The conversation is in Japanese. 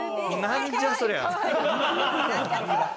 なんじゃそりゃ！